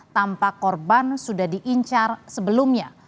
tampak korban sudah diincar sebelumnya